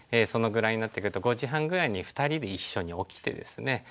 そのぐらいになってくると５時半ぐらいに２人で一緒に起きてですね。